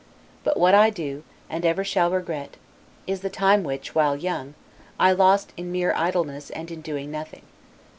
But what I do, and ever shall regret, is the time which, while young, I lost in mere idleness, and in doing nothing.